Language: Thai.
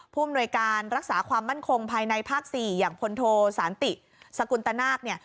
ผู้อำนวยการรักษาความมั่นคงภายในภาค๔อย่างพลโทสานติสกุลตนาคเนี่ย